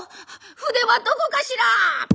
筆はどこかしら？」。